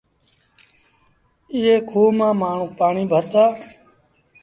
ايئي کوه مآݩ مآڻهوٚݩ پآڻيٚ ڀرتآ۔